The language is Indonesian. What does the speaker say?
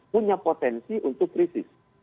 punya potensi untuk krisis